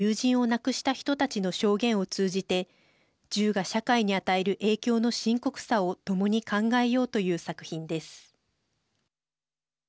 銃により家族や友人を亡くした人たちの証言を通じて銃が社会に与える影響の深刻さを共に考えようという作品です。